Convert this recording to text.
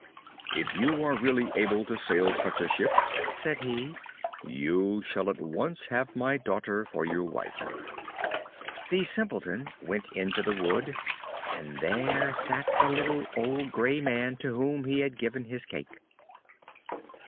"If you are really able to sail such a ship," said he, "you shall at once have my daughter for your wife." The Simpleton went into the wood, and there sat the little old grey man to whom he had given his cake.